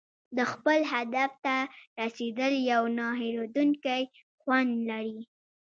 د خپل هدف ته رسېدل یو نه هېریدونکی خوند لري.